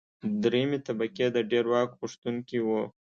درېیمې طبقې د ډېر واک غوښتونکي وو.